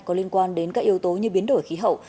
có liên quan đến các yếu tố như biến đổi khí hậu